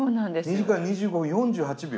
２時間２５分４８秒。